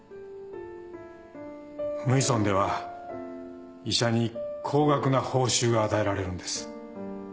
無医村では医者に高額な報酬が与えられるんです。